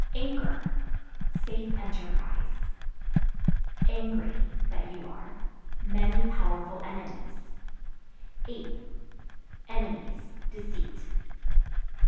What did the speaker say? Anchor Safe enterprise. Angry (That you are) many powerful enemies. Ape Enemies, deceit.